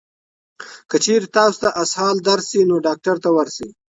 که چېرې تاسو ته اسهال درشي، نو ډاکټر ته ورشئ.